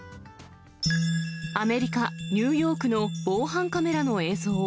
アメリカ・ニューヨークの防犯カメラの映像。